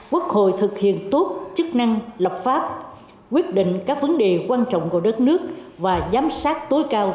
quốc hội thực hiện tốt chức năng lập pháp quyết định các vấn đề quan trọng của đất nước và giám sát tối cao